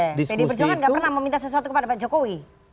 pdi perjuangan gak pernah meminta sesuatu kepada pak jokowi